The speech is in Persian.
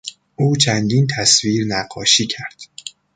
او چندین تصویر نقاشی کرد.